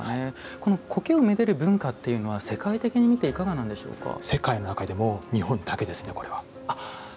この苔をめでる文化というのは世界的に見て世界の中でも日本だけですね、これは。